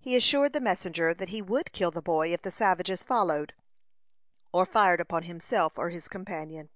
He assured the messenger that he would kill the boy if the savages followed, or fired upon himself or his companion.